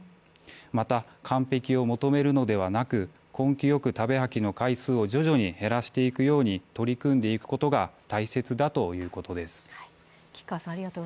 また、完璧を求めるのではなく、根気よく食べ吐きの回数を徐々に減らしていくように取り組んでいくことが大切だということです。